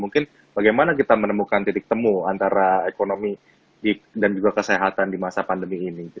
mungkin bagaimana kita menemukan titik temu antara ekonomi dan juga kesehatan di masa pandemi ini